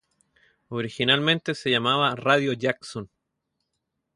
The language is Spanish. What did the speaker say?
Originalmente se llamaba Radio Jackson.